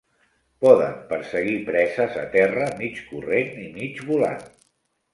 Poden perseguir preses a terra mig corrent i mig volant.